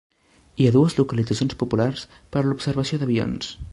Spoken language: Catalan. Hi ha dues localitzacions populars per a l'observació d'avions.